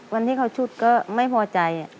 วันที่เขาชุดก็ไม่พอใจ